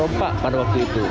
rompak pada waktu itu